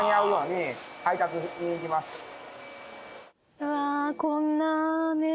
うわこんなねえ